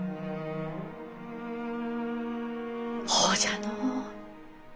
ほうじゃのう。